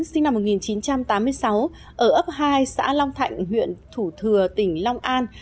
sinh năm một nghìn chín trăm tám mươi sáu ở ấp hai xã long thạnh huyện thủ thừa tỉnh long an